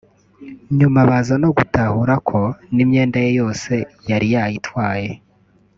nyuma baza no gutahura ko n’imyenda ye yose yari yayitwaye